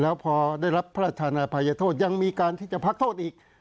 แล้วพอได้รับพระราชธานาภัยโทษยังมีการที่จะพักโทษอีก